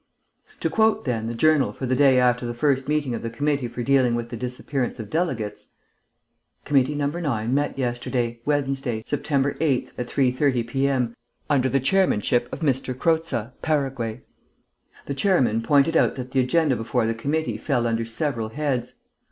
To quote, then, the Journal for the day after the first meeting of the Committee for Dealing with the Disappearance of Delegates: "Committee No. IX. met yesterday, Wednesday, Sept. 8th, at 3.30 p.m., under the chairmanship of M. Croza (Paraguay). "The Chairman pointed out that the agenda before the Committee fell under several heads: "1.